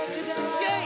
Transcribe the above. イェイ！